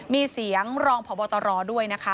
มีเสียงรองพบตรด้วยนะคะ